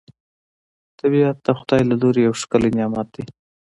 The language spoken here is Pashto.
طبیعت د خدای له لوري یو ښکلی نعمت دی